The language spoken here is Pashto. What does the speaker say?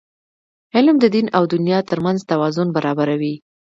علم د دین او دنیا ترمنځ توازن برابروي.